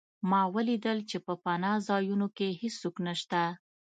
ما ولیدل چې په پناه ځایونو کې هېڅوک نشته